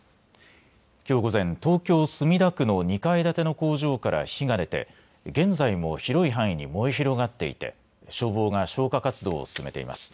きょう午前、東京墨田区の２階建ての工場から火が出て現在も広い範囲に燃え広がっていて消防が消火活動を進めています。